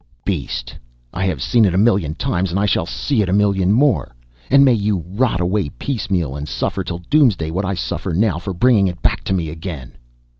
"Beast, I have seen it a million times, and shall see it a million more! and may you rot away piecemeal, and suffer till doomsday what I suffer now, for bringing it back to me again!"